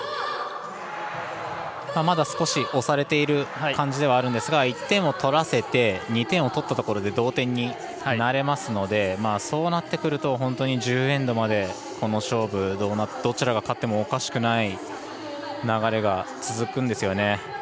まだ少し押されている感じではあるんですが１点を取らせて２点を取ったところで同点になれますのでそうなってくると本当に１０エンドまでこの勝負どちらが勝ってもおかしくない流れが続くんですよね。